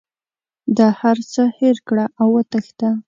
د هر څه هېر کړه او وتښته.